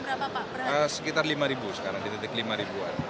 sekitar rp lima sekarang di titik rp lima